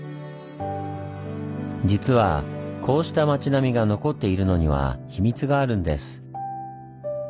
実はこうした町並みが残っているのにはヒミツがあるんです。